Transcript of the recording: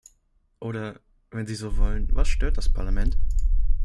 Oder, wenn Sie so wollen, was stört das Parlament?